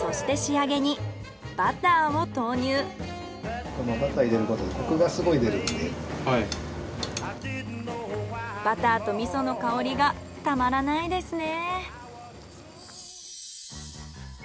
そして仕上げにバターと味噌の香りがたまらないですね。